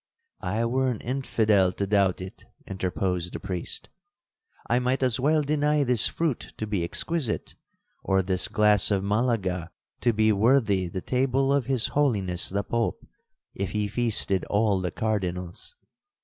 'I were an infidel to doubt it,' interposed the priest; 'I might as well deny this fruit to be exquisite, or this glass of Malaga to be worthy the table of his Holiness the Pope, if he feasted all the Cardinals.